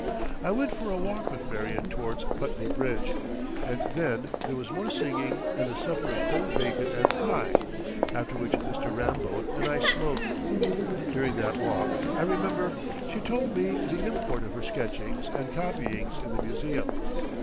I went for a walk with Marion towards Putney Bridge, and then there was more singing and a supper of cold bacon and pie, after which Mr. Ramboat and I smoked. During that walk, I remember, she told me the import of her sketchings and copyings in the museum.